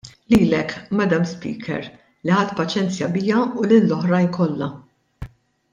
Lilek, Madam Speaker, li ħadt paċenzja bija u lill-oħrajn kollha.